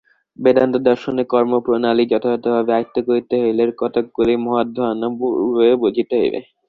বেদান্ত-দর্শনের কর্মপ্রণালী যথাযথভাবে আয়ত্ত করিতে হইলে কতকগুলি মহৎ ধারণা পূর্বে বুঝিতে হইবে।